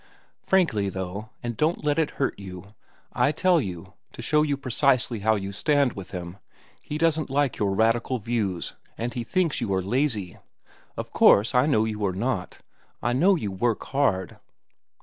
"Frankly, though, and don't let it hurt you—I tell you, to show you precisely how you stand with him—he doesn't like your radical views, and he thinks you are lazy. Of course I know you are not. I know you work hard."